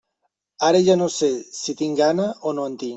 Ara ja no sé si tinc gana o no en tinc.